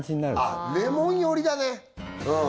あっレモン寄りだねうん